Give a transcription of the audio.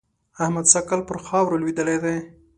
احمد سږ کال پر خاورو لوېدلی دی.